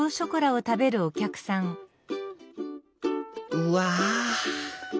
うわ！